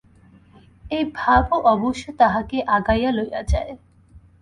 এই ভাবও অবশ্য তাহাকে আগাইয়া লইয়া যায়।